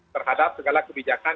terhadap segala kebijakan